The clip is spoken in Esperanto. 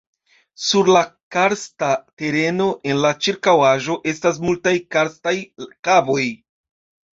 Sur la karsta tereno en la ĉirkaŭaĵo estas multaj karstaj kavoj.